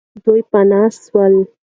دوی پنا سول.